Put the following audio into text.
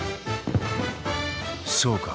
そうか。